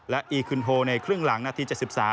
และอีคึนโฮในครึ่งหลังนาที๗๓